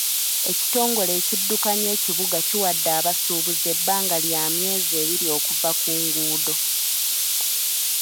Ekitongole ekiddukanya ekibuga kiwadde abasuubuzi ebbanga lya myezi ebiri okuva ku nguudo.